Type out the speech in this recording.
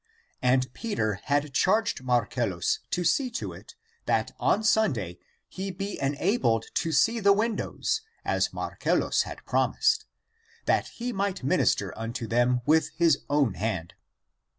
And Peter had charged Marcellus (to see to it) that on Sunday he be enabled to see the widows, as Marcellus had promised, that he might minister unto them with his own hand.